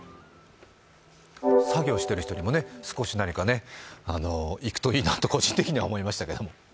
作業している人にも少し何かいくといいなと、個人的には思いましたけれども。